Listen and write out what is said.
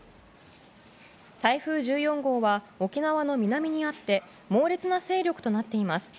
台風１４号は沖縄の南にあって猛烈な勢力となっています。